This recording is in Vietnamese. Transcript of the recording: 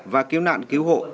và cứu nạn cứu hộ